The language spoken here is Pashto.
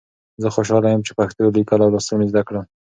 زه خوشحاله یم چې پښتو لیکل او لوستل مې زده کړل.